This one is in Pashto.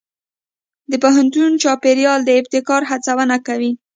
د پوهنتون چاپېریال د ابتکار هڅونه کوي.